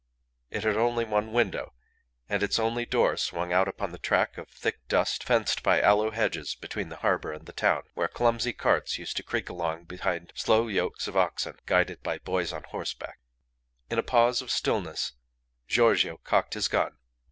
It had only one window, and its only door swung out upon the track of thick dust fenced by aloe hedges between the harbour and the town, where clumsy carts used to creak along behind slow yokes of oxen guided by boys on horseback. In a pause of stillness Giorgio cocked his gun.